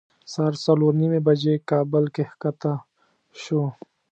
سهار څلور نیمې بجې کابل کې ښکته شوو.